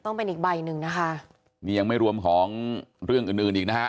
ต้องเป็นอีกใบหนึ่งนะคะนี่ยังไม่รวมของเรื่องอื่นอื่นอีกนะฮะ